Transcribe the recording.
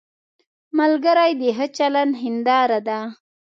ملګری د ښه چلند هنداره ده